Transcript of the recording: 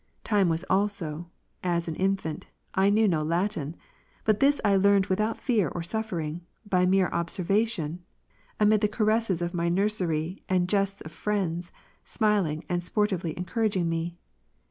Time was also, (as an infant,) I knew no Latin : but this I learned without fear or suffering, by mere observation, amid the caresses of my nursery and jests of friends, smiling and sportively encouraging me.